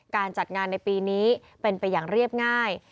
การจัดงานในปีนี้เป็นไปอย่างเรียบง่าย